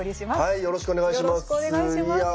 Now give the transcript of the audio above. よろしくお願いします。